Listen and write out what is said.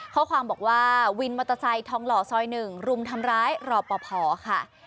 ข้อความบอกว่าวินมอเตอร์ไซค์ทองหล่อซอย๑รุมทำร้ายรอปภค่ะ